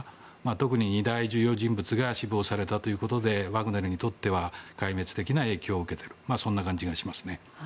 特に２大重要人物が死亡したということでワグネルにとっては壊滅的な影響を受けているそんな感じがしますね。